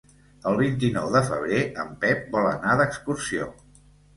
El vint-i-nou de febrer en Pep vol anar d'excursió.